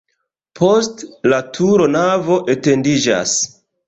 Post la turo navo etendiĝas.